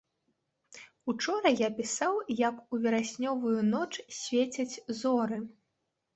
Учора я пісаў, як у вераснёвую ноч свецяць зоры.